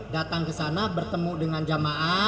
datang ke sana bertemu dengan jamaah